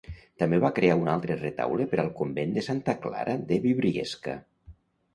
També va crear un altre retaule per al convent de Santa Clara de Briviesca.